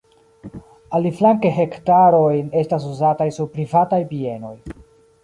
Aliflanke hektaroj estas uzataj sur privataj bienoj.